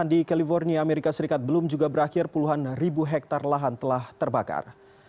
di california amerika serikat belum juga berakhir puluhan ribu hektare lahan telah terbakar